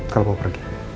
kalau mau pergi